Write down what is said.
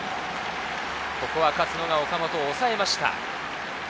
ここは勝野が岡本を抑えました。